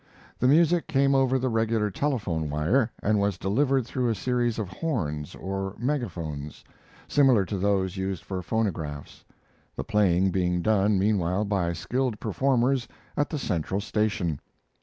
The music came over the regular telephone wire, and was delivered through a series of horns or megaphones similar to those used for phonographs the playing being done, meanwhile, by skilled performers at the central station.